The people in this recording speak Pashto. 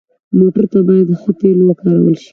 موټر ته باید ښه تیلو وکارول شي.